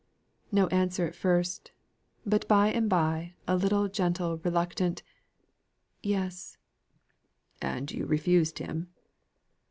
No answer at first; but by and by a little gentle reluctant "Yes." "And you refused him?"